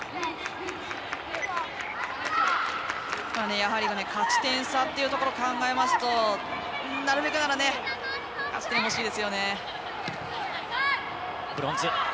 やはり勝ち点差というところを考えますとなるべくなら勝ち点が欲しいですよね。